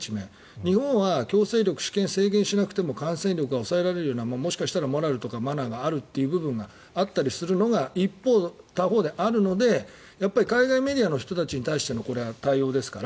日本は強制力私権制限しなくても感染力が抑えられるようなモラルとかマナーがあるという部分があったりするのが他方であるので海外メディアの人たちに対しての対応ですから。